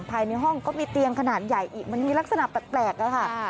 ภายในห้องก็มีเตียงขนาดใหญ่อีกมันมีลักษณะแปลกอะค่ะ